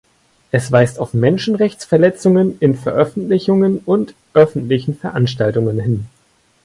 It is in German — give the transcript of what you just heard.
Es weist auf Menschenrechtsverletzungen in Veröffentlichungen und öffentlichen Veranstaltungen hin.